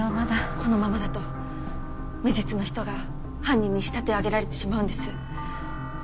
このままだと無実の人が犯人に仕立て上げられてしまうんです。